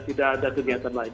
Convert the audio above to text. tidak ada kegiatan lain